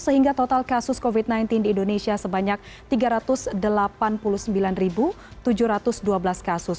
sehingga total kasus covid sembilan belas di indonesia sebanyak tiga ratus delapan puluh sembilan tujuh ratus dua belas kasus